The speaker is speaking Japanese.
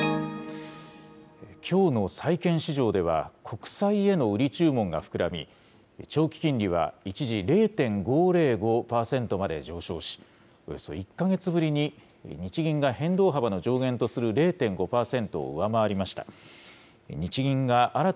きょうの債券市場では、国債への売り注文が膨らみ、長期金利は一時０．５０５％まで上昇し、およそ１か月ぶりに日銀が変動幅の上限とする０．５％を上回りました。